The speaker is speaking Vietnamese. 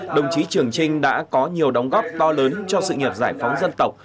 đồng chí trường trinh đã có nhiều đóng góp to lớn cho sự nghiệp giải phóng dân tộc